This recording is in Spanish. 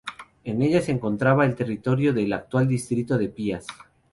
En ella se encontraba el territorio del actual distrito de Pias.